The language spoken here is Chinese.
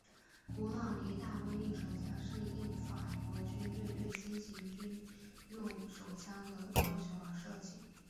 勃朗宁大威力手枪是应法国军队对新型军用手枪的要求而设计的。